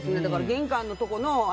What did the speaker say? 玄関のところに。